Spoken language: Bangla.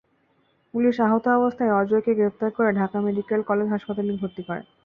পুলিশ আহত অবস্থায় অজয়কে গ্রেপ্তার করে ঢাকা মেডিকেল কলেজ হাসপাতালে ভর্তি করে।